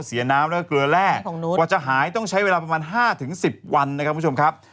เสียน้ำและเกลือแร่ว่าจะหายต้องใช้เวลาประมาณ๕๑๐วันนะครับ